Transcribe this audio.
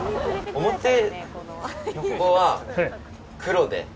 表、ここは黒で。